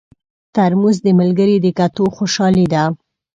ترموز د ملګري د کتو خوشالي ده.